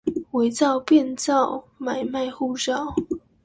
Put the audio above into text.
偽造、變造、買賣護照